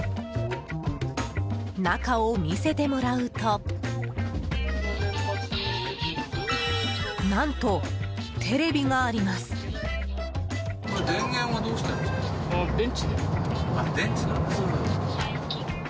中を見せてもらうと何と、テレビがあります。